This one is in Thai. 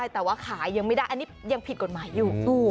แต่ว่าขายยังไม่ได้อันนี้ยังผิดกฎหมายอยู่